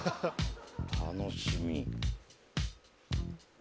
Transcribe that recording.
楽しみ。